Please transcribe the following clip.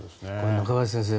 中林先生